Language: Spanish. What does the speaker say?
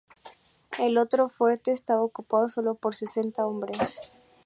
El otro fuerte estaba ocupado solo por sesenta hombres.